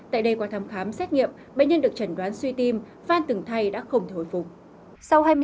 tại đây qua thăm khám xét nghiệm bệnh nhân được chẩn đoán suy tim văn từng thay đã không thể hồi phục